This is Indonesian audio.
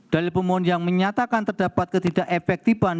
dalil pemohon yang menyatakan terdapat ketidak efektifan